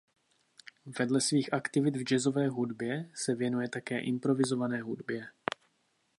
Vedle svých aktivit v jazzové hudbě se věnuje také improvizované hudbě.